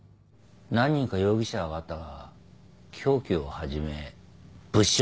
何人か容疑者は挙がったが凶器をはじめ物証がまったく出ねえ。